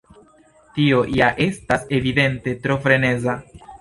Tio ja estas evidente tro freneza!